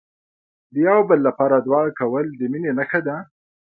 د یو بل لپاره دعا کول، د مینې نښه ده.